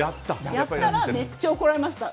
やったらめっちゃ怒られました